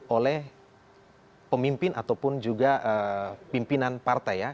oleh pemimpin ataupun juga pimpinan partai ya